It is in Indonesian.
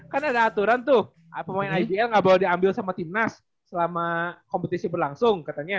kan ada aturan tuh pemain ibl nggak boleh diambil sama timnas selama kompetisi berlangsung katanya